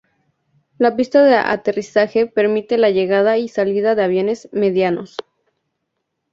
La pista de aterrizaje permite la llegada y salida de aviones medianos.